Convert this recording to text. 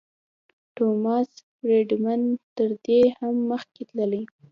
ټوماس فریډمن تر دې هم مخکې تللی.